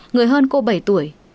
người hơn cô bảy tuổi